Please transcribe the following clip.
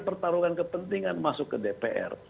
pertarungan kepentingan masuk ke dpr